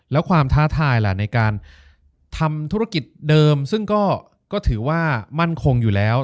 แล้วความท้าทายล่ะในการทำธุรกิจเดิมซึ่งก็ถือว่ามั่นคงอยู่แล้ว